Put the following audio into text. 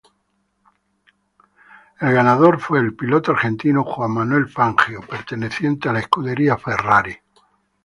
El ganador fue el piloto argentino Juan Manuel Fangio, perteneciente a la Scuderia Ferrari.